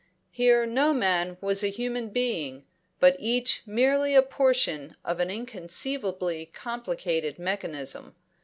Here no man was a human being, but each merely a portion of an inconceivably complicated mechanism.